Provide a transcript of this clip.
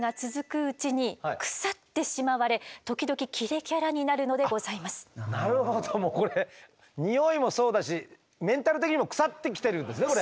ヴィラン様はなるほどこれにおいもそうだしメンタル的にもクサってきてるんですねこれ。